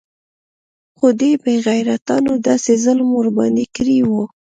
خو دې بې غيرتانو داسې ظلم ورباندې کړى و.